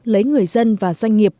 lấy người dân và doanh nghiệp